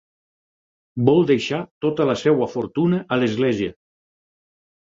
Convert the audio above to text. Vol deixar tota la seva fortuna a l'Església.